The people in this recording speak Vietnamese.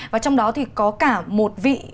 và trong đó thì có cả một vị